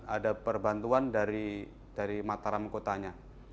ada perbantuan dari mataram kotanya